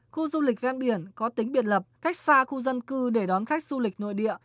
khu du lịch ven biển có tính biệt lập cách xa khu dân cư để đón khách du lịch nội địa